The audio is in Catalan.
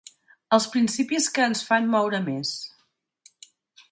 Els principis que ens fan moure més.